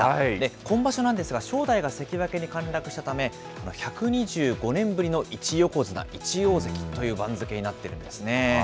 今場所なんですが、正代が関脇に陥落したため、１２５年ぶりの一横綱一大関という番付になっているんですね。